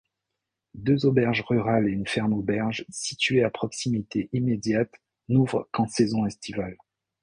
Deux auberges rurales et une ferme-auberge, situées à proximité immédiate, n’ouvrent qu’en saison estivale.